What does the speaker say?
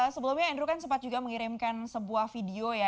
sebelumnya andrew kan sempat juga mengirimkan sebuah video ya